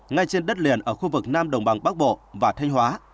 ngay trên đất liền ở khu vực nam đồng bằng bắc bộ và thanh hóa